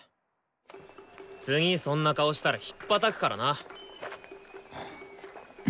次そんな顔したらひっぱたくからな！